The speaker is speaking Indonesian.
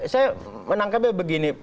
saya menangkapnya begini